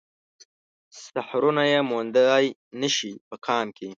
سحرونه يې موندای نه شي په قام کې